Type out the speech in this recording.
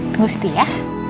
tunggu situ ya